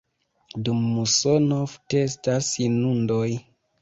Dum musono ofte estas inundoj.